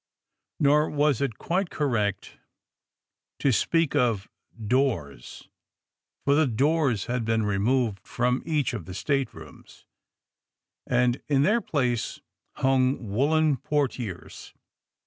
Nor is it quite correct to speak of AOT> THE SMUGGLERS ,31 doors, for the doors had been removed from each of the staterooms, and in their place hung woolen portieres.